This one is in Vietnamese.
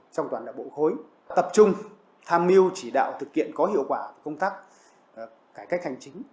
trong toàn đại bộ khối tập trung tham mưu chỉ đạo thực hiện có hiệu quả công tác cải cách hành chính